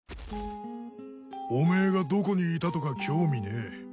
おめえがどこにいたとか興味ねえ。